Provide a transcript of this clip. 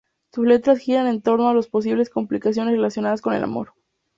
Sus letras giran en torno a las posibles complicaciones relacionadas con el amor.